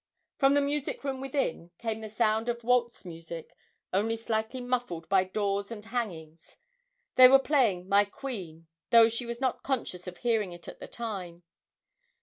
From the music room within came the sound of waltz music, only slightly muffled by doors and hangings: they were playing 'My Queen,' though she was not conscious of hearing it at the time.